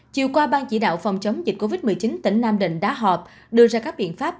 chiều qua ban chỉ đạo phòng chống dịch covid một mươi chín tỉnh nam định đã họp đưa ra các biện pháp